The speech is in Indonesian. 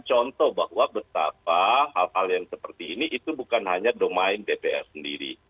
contoh bahwa betapa hal hal yang seperti ini itu bukan hanya domain dpr sendiri